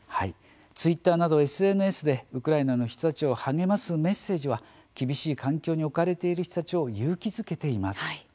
ツイッターなどＳＮＳでウクライナの人たちを励ますメッセージは厳しい環境に置かれている人たちを勇気づけています。